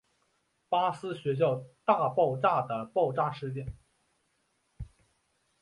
巴斯学校大爆炸的爆炸事件。